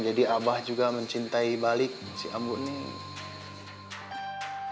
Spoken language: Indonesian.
jadi abah juga mencintai balik si ambu neng